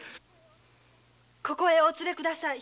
ここへお連れ下さい。